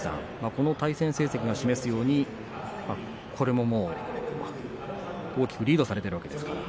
この対戦成績が示すようにこれも、もう大きくリードされているわけですから。